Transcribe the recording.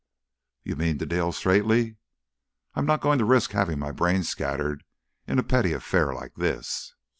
"You mean to deal straightly." "I'm not going to risk having my brains scattered in a petty affair like this."